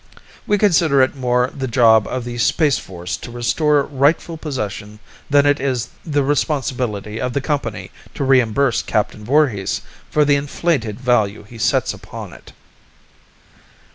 We consider it more the job of the Space Force to restore rightful possession than it is the responsibility of the company to reimburse Captain Voorhis for the inflated value he sets upon it."